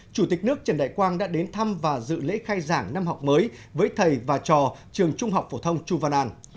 chủ tịch nước trần đại quang đã đến thăm và dự lễ khai giảng năm học mới với thầy và trò trường trung học phổ thông chu văn an